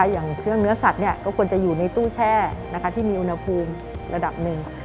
อย่างเครื่องเนื้อสัตว์ก็ควรจะอยู่ในตู้แช่ที่มีอุณหภูมิระดับหนึ่ง